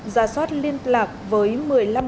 ra soát liên lạc với mưa lớn